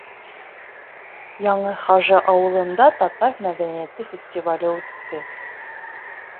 Яңы Хажи ауылында татар мәҙәниәте фестивале үтте.